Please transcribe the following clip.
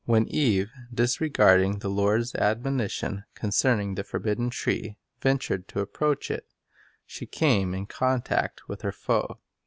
When Eve, disregarding the Lord's admonition concerning the forbidden tree, ventured to approach it, she came in contact with her foe.